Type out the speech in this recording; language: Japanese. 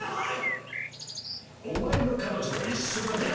お前の彼女と一緒だな。